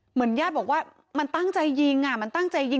ญาติบอกว่ามันตั้งใจยิงอ่ะมันตั้งใจยิง